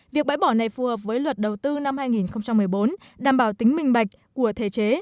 việc bãi bỏ này phù hợp với luật đầu tư năm hai nghìn một mươi bốn đảm bảo tính minh bạch của thể chế